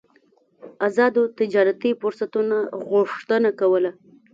ازادو تجارتي فرصتونو غوښتنه کوله.